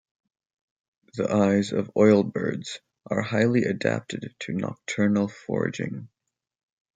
The eyes of oilbirds are highly adapted to nocturnal foraging.